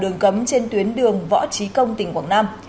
đường cấm trên tuyến đường võ trí công tỉnh quảng nam